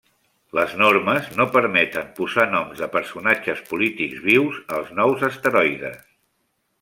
Les normes no permeten posar noms de personatges polítics vius als nous asteroides.